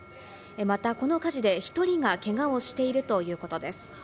また、この火事で１人がけがをしているということです。